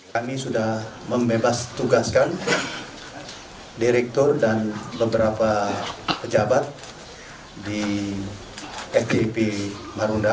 kami sudah membebas tugaskan direktur dan beberapa pejabat di fpip marunda